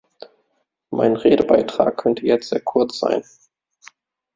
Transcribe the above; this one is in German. Mein Redebeitrag könnte jetzt sehr kurz sein.